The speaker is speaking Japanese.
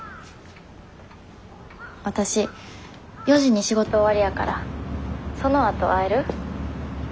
わたし４時に仕事終わりやからそのあと会える？